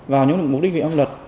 vào những mục đích viện pháp luật